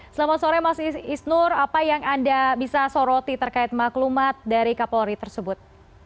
selamat sore mas isnur apa yang anda bisa soroti terkait maklumat dari kapolri tersebut